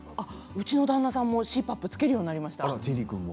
うちの旦那さんもＣＰＡＰつけるようになりました。